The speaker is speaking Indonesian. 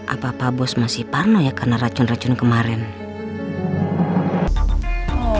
apa apa bos masih panah ya karena racun racun kemarin